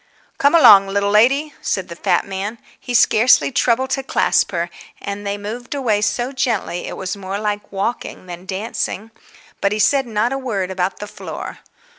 "Come along, little lady," said the fat man. He scarcely troubled to clasp her, and they moved away so gently, it was more like walking than dancing. But he said not a word about the floor.